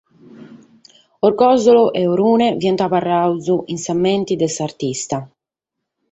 Orgòsolo e Orune fiant abarrados in sa mente de s’artista.